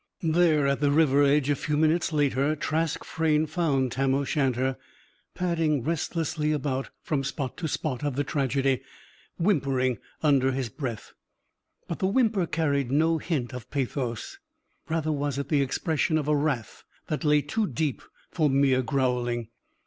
There, at the river edge, a few minutes later, Trask Frayne found Tam o' Shanter; padding restlessly about, from spot to spot of the tragedy; whimpering under his breath. But the whimper carried no hint of pathos. Rather was it the expression of a wrath that lay too deep for mere growling.